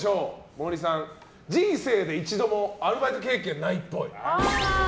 森さん人生で一度もアルバイト経験ないっぽい。